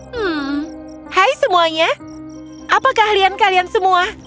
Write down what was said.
hmm hai semuanya apa keahlian kalian semua